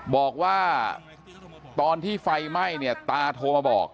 บอกว่าตอนที่ไฟไหม้เนี่ยตาโทรมาบอก